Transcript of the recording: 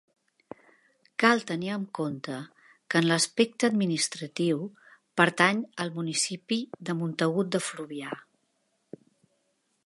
Cal tenir en compte que en l'aspecte administratiu pertany al municipi del Montagut de Fluvià.